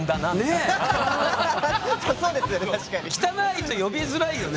汚いと呼びづらいよね。